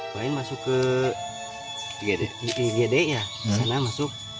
bayi masuk ke gede di sana masuk